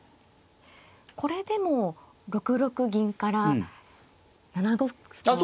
これでも６六銀から７五歩と。